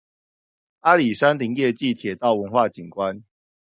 阿里山林業暨鐵道文化景觀